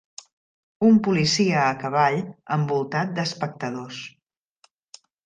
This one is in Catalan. Un policia a cavall envoltat d'espectadors.